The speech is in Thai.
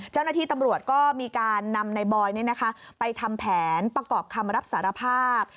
เจ้าหน้าที่ตำรวจก็มีการนำในบอยไปทำแผนประกอบคำรับสารภาพ